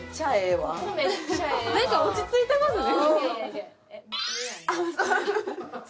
落ち着いてますね。